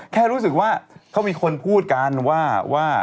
แค่รู้สึกว่าเขามีคนพูดกันว่า